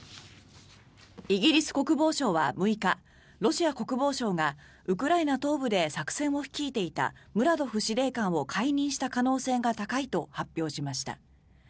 イギリス国防省は６日ロシア国防省がウクライナ東部で作戦を率いていたムラドフ司令官を解任した可能性が高いと発表しました。